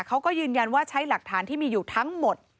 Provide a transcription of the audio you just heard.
เขาก็ยืนยันว่าใช้หลักฐานที่มีอยู่ทั้งหมด